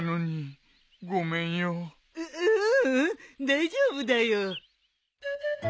大丈夫だよ。